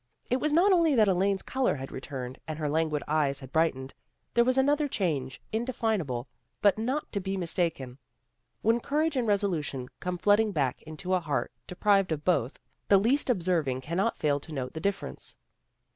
It was not only that Elaine's color had returned, and her languid eyes had brightened. There was another change, indefinable, but not to be mis taken. When courage and resolution come flooding back into a heart deprived of both the least observing cannot fail to note the difference.